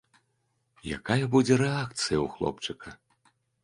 Якая будзе рэакцыя ў хлопчыка?